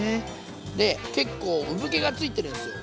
で結構産毛がついてるんすよ